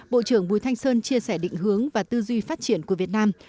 bộ trưởng bùi thanh sơn chia sẻ định hướng và tư duy phát triển của việt nam